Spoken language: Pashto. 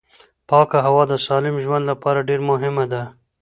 پاکه هوا د سالم ژوند لپاره ډېره مهمه ده